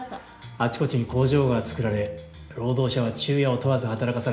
あちこちに工場が作られ労働者は昼夜を問わず働かされた。